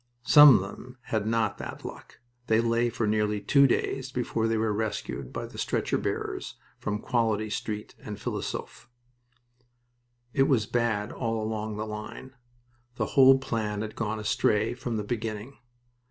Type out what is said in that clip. Some of them had not that luck, but lay for nearly two days before they were rescued by the stretcher bearers from Quality Street and Philosophe. It was bad all along the line. The whole plan had gone astray from the beginning.